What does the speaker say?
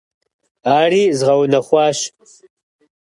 Ари згъэунэхуащ.